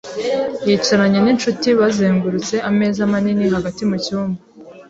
yicaranye n'inshuti bazengurutse ameza manini hagati mucyumba.